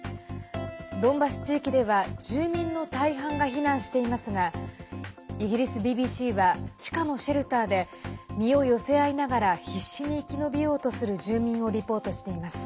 ドンバス地域では住民の大半が避難していますがイギリスＢＢＣは地下のシェルターで身を寄せ合いながら必死に生き延びようとする住民をリポートしています。